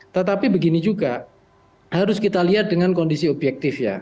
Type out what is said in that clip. tetapi begini juga harus kita lihat dengan kondisi objektif ya